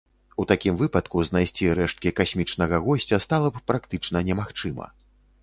У такім выпадку знайсці рэшткі касмічнага госця стала б практычна немагчыма.